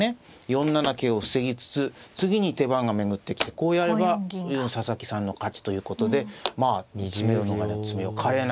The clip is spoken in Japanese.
４七桂を防ぎつつ次に手番が巡ってきてこうやれば佐々木さんの勝ちということでまあ詰めろ逃れの詰めろ華麗な一手ですけれど。